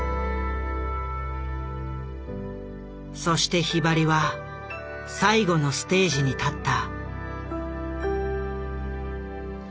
そしてひばりは最後のステージに立った。